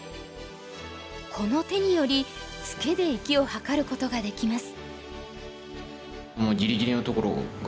この手によりツケで生きを図ることができます。